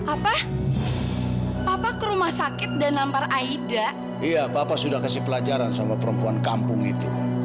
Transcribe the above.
apa apa ke rumah sakit dan nampar aida iya bapak sudah kasih pelajaran sama perempuan kampung itu